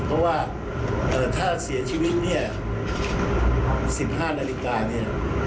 เพราะว่าถ้าเสียชีวิตเนี่ย๑๕นาฬิกาเนี่ย